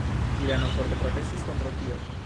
Irano forte protestis kontraŭ tio.